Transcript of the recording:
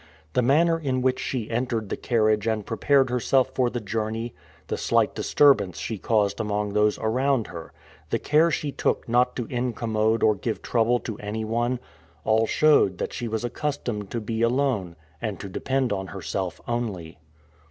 The manner in which she entered the carriage and prepared herself for the journey, the slight disturbance she caused among those around her, the care she took not to incommode or give trouble to anyone, all showed that she was accustomed to be alone, and to depend on herself only.